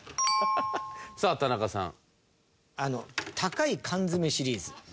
さあ田中さん。